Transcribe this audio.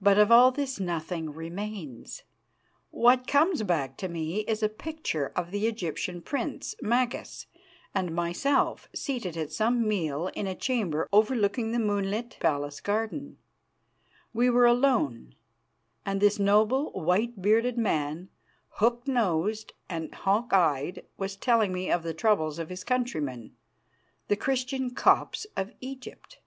But of all this nothing remains. What comes back to me is a picture of the Egyptian prince, Magas, and myself seated at some meal in a chamber overlooking the moonlit palace garden. We were alone, and this noble, white bearded man, hook nosed and hawk eyed, was telling me of the troubles of his countrymen, the Christian Copts of Egypt.